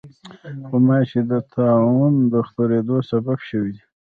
غوماشې د طاعون د خپرېدو سبب شوې دي.